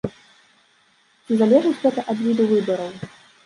Ці залежыць гэта ад віду выбараў?